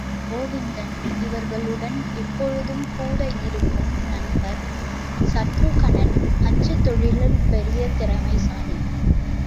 கோவிந்தன் இவர்களுடன் எப்பொழுதும் கூட இருக்கும் நண்பர் சத்ருக்கனன் அச்சுத் தொழிலில் பெரிய திறமைசாலி.